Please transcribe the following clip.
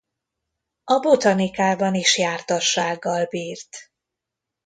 A botanikában is jártassággal bírt.